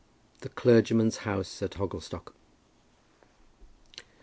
THE CLERGYMAN'S HOUSE AT HOGGLESTOCK.